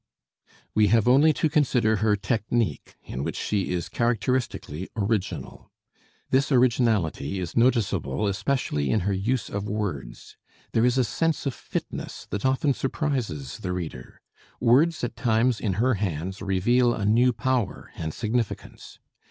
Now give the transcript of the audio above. We have only to consider her technique, in which she is characteristically original. This originality is noticeable especially in her use of words. There is a sense of fitness that often surprises the reader. Words at times in her hands reveal a new power and significance.